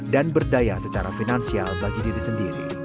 berdaya secara finansial bagi diri sendiri